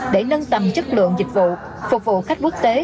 để nâng tầm chất lượng dịch vụ phục vụ khách quốc tế